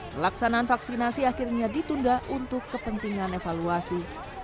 pelaksanaan vaksinasi akhirnya ditunda untuk kepentingan evaluasi